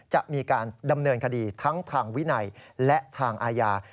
จะมีการดำเนินคดีทั้งทางวินัยและทางอาญา